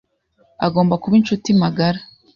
agomba kuba inshuti magara.